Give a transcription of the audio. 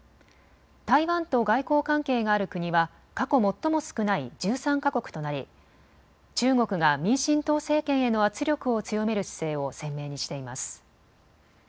台湾と外交関係がある国は過去最も少ない１３か国となり中国が民進党政権への圧力を強める姿勢を鮮明にしています。